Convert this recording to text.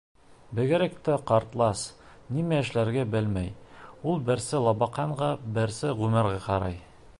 Бигерәк тә ҡартлас нимә эшләргә белмәй, ул берсә Лабаҡанға, берсә Ғүмәргә ҡарай.